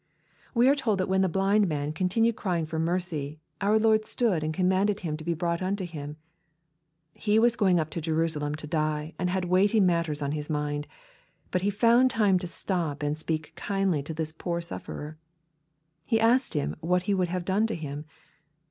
We are told that when the blind man continued cryrng fcr mercy, our Lord " stood and commanded him to be brought unto Him/' He was going up to Jerusalem to die, and had weighty matters on His mind, but He found time to stop to speak kindly to this poor sufferer. He asked him what he would have done to him